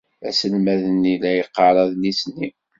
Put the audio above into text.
Aselmad-nni la yeqqar adlis-nni.